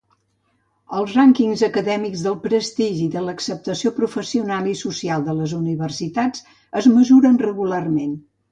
Els rànquings acadèmics del prestigi i de l'acceptació professional i social de les universitats es mesuren regularment.